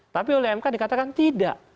tapi oleh mk dikatakan tidak